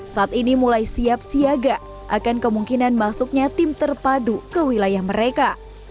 saat ini mulai siap siaga akan kemungkinan masuknya tim terpadu ke wilayah mereka